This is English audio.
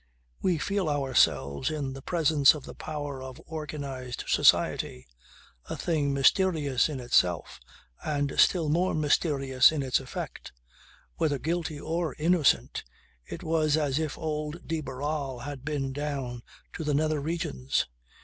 We feel ourselves in the presence of the power of organized society a thing mysterious in itself and still more mysterious in its effect. Whether guilty or innocent, it was as if old de Barral had been down to the Nether Regions.